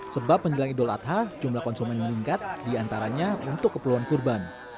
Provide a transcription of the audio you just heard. sebab menjelang idul adha jumlah konsumen meningkat diantaranya untuk keperluan kurban